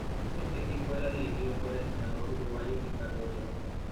Este equipo era dirigido por el entrenador uruguayo Ricardo de León.